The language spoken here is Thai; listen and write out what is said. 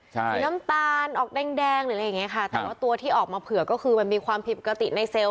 สีน้ำตาลออกแดงหรืออะไรอย่างเงี้ค่ะแต่ว่าตัวที่ออกมาเผื่อก็คือมันมีความผิดปกติในเซลล